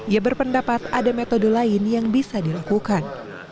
ia berpendapat ada metode yang bisa diperlukan